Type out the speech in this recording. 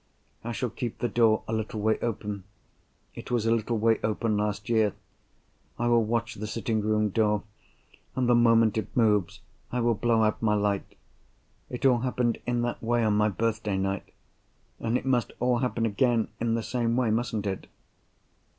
I shall keep the door a little way open. It was a little way open last year. I will watch the sitting room door; and the moment it moves, I will blow out my light. It all happened in that way, on my birthday night. And it must all happen again in the same way, musn't it?"